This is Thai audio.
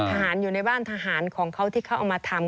อยู่ในบ้านทหารของเขาที่เขาเอามาทำ